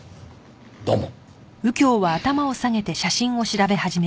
どうも。